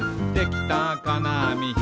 「できたかなあみ